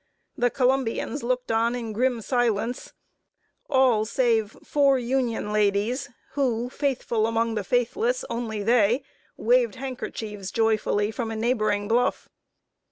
The Columbians looked on in grim silence all save four Union ladies, who, "Faithful among the faithless only they," waved handkerchiefs joyfully from a neighboring bluff.